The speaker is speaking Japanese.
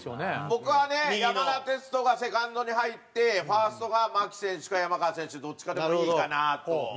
僕はね山田哲人がセカンドに入ってファーストが牧選手か山川選手どっちかでもいいかなと。